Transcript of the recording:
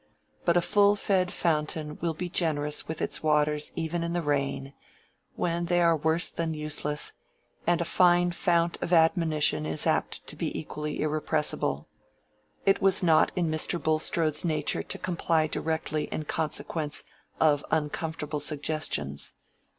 But a full fed fountain will be generous with its waters even in the rain, when they are worse than useless; and a fine fount of admonition is apt to be equally irrepressible. It was not in Mr. Bulstrode's nature to comply directly in consequence of uncomfortable suggestions.